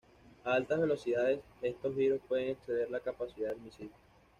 A altas velocidades, estos giros pueden exceder la capacidad del misil.